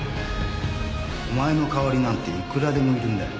お前の代わりなんていくらでもいるんだよ